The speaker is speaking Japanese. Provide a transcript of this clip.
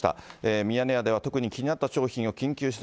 ミヤネ屋では特に気になった商品を緊急取材。